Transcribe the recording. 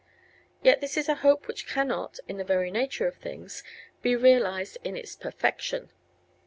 Yet this is a hope which cannot, in the very nature of things, be realized in its perfection.